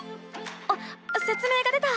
あっせつ明が出た！